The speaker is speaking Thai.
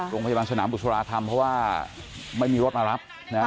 โรงพยาบาลสนามบุษราคำเพราะว่าไม่มีรถมารับนะฮะ